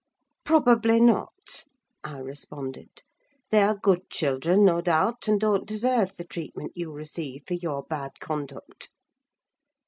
"Probably not," I responded. "They are good children, no doubt, and don't deserve the treatment you receive, for your bad conduct."